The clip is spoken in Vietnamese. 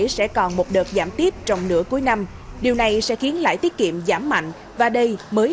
sẽ còn một đợt giảm tiếp trong nửa cuối năm điều này sẽ khiến lãi tiết kiệm giảm mạnh và đây mới